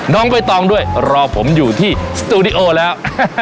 น้องใบตองด้วยรอผมอยู่ที่สตูดิโอแล้ว